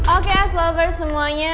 oke ice lovers semuanya